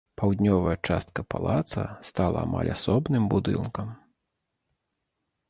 Паўднёвая частка палаца стала амаль асобным будынкам.